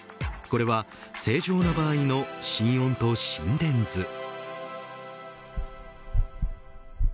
これは正常な場合の心音と心電図。